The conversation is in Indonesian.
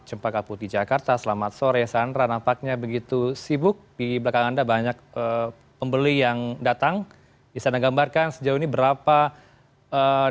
cempaka putih jakarta selamat sore sandra nampaknya begitu sibuk di belakang anda banyak pembeli yang datang di sana gambarkan sejauh ini berapa pilihan yang ada di cempaka putih jakarta